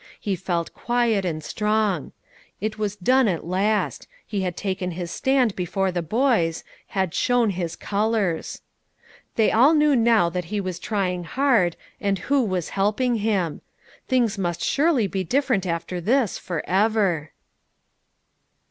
He felt quiet and strong. It was done at last: he had taken his stand before the boys had "shown his colours." They all knew now that he was trying hard, and who was helping him. Things must surely be different after this, for ever.